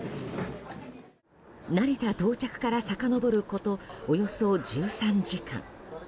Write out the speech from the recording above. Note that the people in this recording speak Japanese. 成田到着からさかのぼることおよそ１３時間。